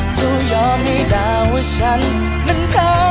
สู้ยอมให้ด่าว่าฉันนั้นกะ